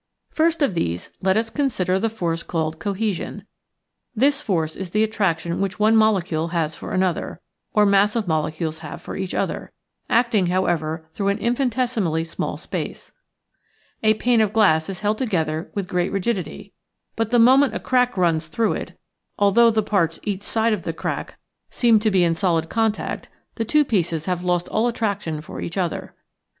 First of these, let us consider the force called Cohesion. This force is the attraction which one molecule has for another, or mass of molecules have for each other, acting, how ever, through an infinitcsimally small space. A pane of glass is held together with great rigidity, but the moment a crack runs through it, although the parts each side of the crack Oriyinal from UNIVERSITY OF WISCONSIN 28 nature's /HMracles. eeem to be in solid contact, the two pieces have lost all attraction for each other.